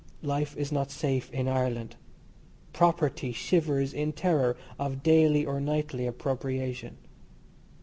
Life is not safe in Ireland. Property shivers in terror of daily or nightly appropriation.